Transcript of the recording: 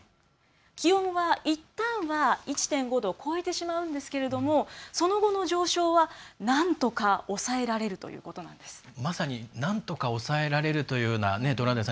気温はいったんは１．５度を超えてしまうんですけれどもその後の上昇はなんとか抑えられるということなんです。